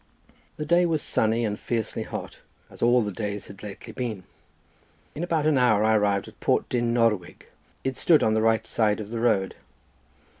The day was sunny and fiercely hot, as all the days had lately been. In about an hour I arrived at Port Dyn Norwig: it stood on the right side of the road.